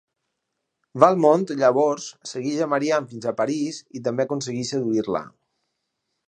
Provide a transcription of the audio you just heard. Valmont llavors segueix a Marianne fins a París i també aconsegueix seduir-la.